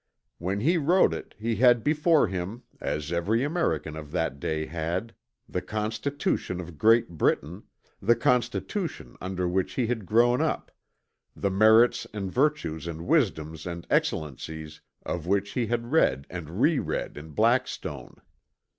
When he wrote it he had before him, as every American of that day had, the Constitution of Great Britain, the constitution under which he had grown up, the merits and virtues and wisdom and excellencies of which he had read and re read in Blackstone.